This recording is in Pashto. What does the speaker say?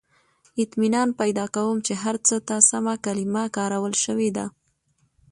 • اطمینان پیدا کوم، چې هر څه ته سمه کلمه کارول شوې ده.